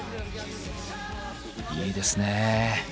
いいですね。